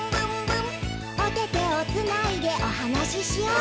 「おててをつないでおはなししよう」